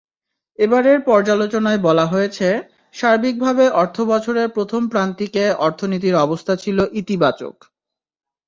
এবারের পর্যালোচনায় বলা হয়েছে, সার্বিকভাবে অর্থবছরের প্রথম প্রান্তিকে অর্থনীতির অবস্থা ছিল ইতিবাচক।